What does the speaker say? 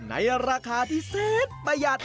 ในราคาที่แสนประหยัด